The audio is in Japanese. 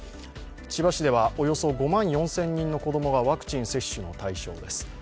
千葉市ではおよそ５万４０００人の子供がワクチン接種の対象です。